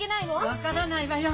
分からないわよ。